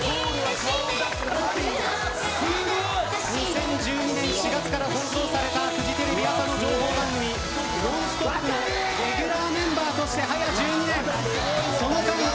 ２０１２年４月から放送されたフジテレビ朝の情報番組「ノンストップ！」のレギュラーメンバーとしてはや１２年。